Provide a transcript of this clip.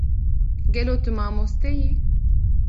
gelo tu mamoste yî?